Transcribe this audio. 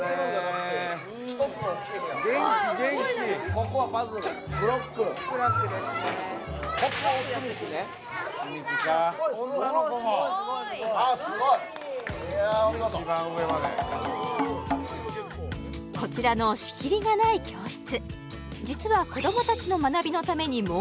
ここはまず女の子もあっすごいこちらの仕切りがない教室